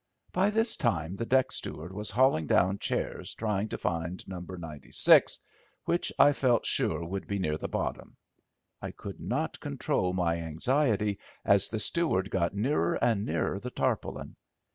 By this time the deck steward was hauling down chairs trying to find No. 96, which I felt sure would be near the bottom. I could not control my anxiety as the steward got nearer and nearer the tarpaulin.